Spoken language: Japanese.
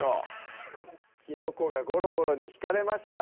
きのこがゴロゴロにひかれました